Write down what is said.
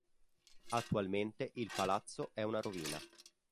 Attualmente il palazzo è una rovina.